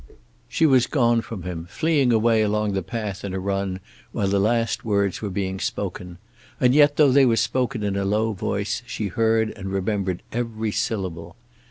She was gone from him, fleeing away along the path in a run while the last words were being spoken; and yet, though they were spoken in a low voice, she heard and remembered every syllable.